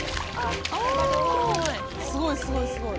おぉすごいすごいすごい。